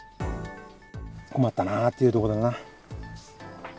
困ったなというところだな。